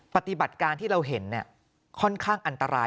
ปฏิบัติการที่เราเห็นค่อนข้างอันตราย